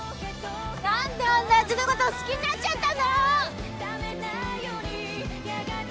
「何であんなやつのこと好きになっちゃったんだろ！」